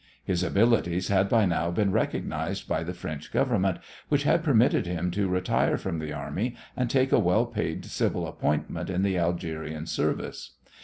His abilities had by now been recognized by the French Government, which had permitted him to retire from the army and take a well paid civil appointment in the Algerian service.